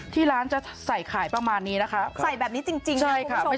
ที่ร้านจะใส่ขายประมาณนี้นะคะใส่แบบนี้จริงค่ะคุณผู้ชม